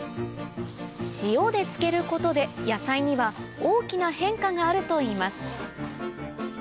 塩で漬けることで野菜には大きな変化があるといいます